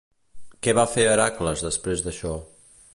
Què va fer Hèracles després d'això?